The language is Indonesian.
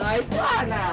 nah itu anak